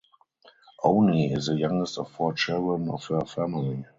Oni is the youngest of four children of her family.